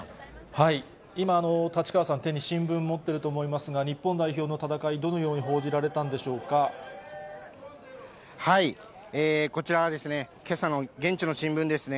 今、立川さん、手に新聞持っていると思いますが、日本代表の戦い、どのように報じこちらはですね、けさの現地の新聞ですね。